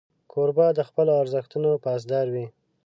کوربه د خپلو ارزښتونو پاسدار وي.